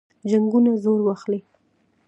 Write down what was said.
جنګونه زور واخلي.